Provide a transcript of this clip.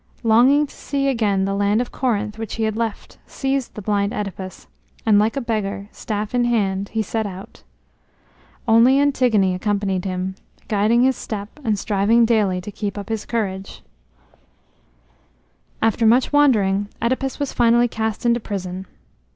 Longing to see again the land of Corinth which he had left seized the blind Œdipus, and like a beggar, staff in hand, he set out. Only Antigone accompanied him, guiding his step and striving daily to keep up his courage. [Illustration: THE BLIND ŒDIPUS, LED BY HIS DAUGHTER ANTIGONE] After much wandering Œdipus was finally cast into prison.